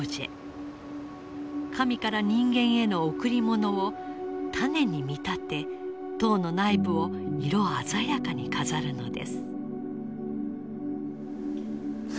神から人間への贈り物を種に見立て塔の内部を色鮮やかに飾るのです。